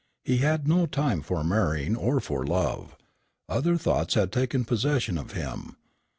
He had no time for marrying or for love; other thoughts had taken possession of him.